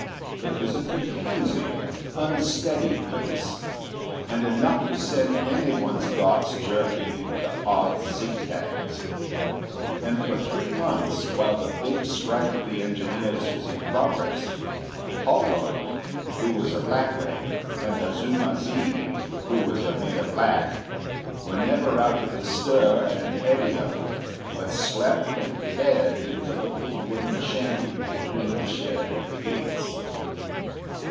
It was a confusing, unsteady place, and enough to send anyone's thoughts jerking into odd zigzags. And for three months, while the big strike of the engineers was in progress, Holroyd, who was a blackleg, and Azuma zi, who was a mere black, were never out of the stir and eddy of it, but slept and fed in the little wooden shanty between the shed and the gates.